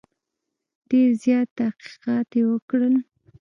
ډېر زیات تحقیقات یې وکړل.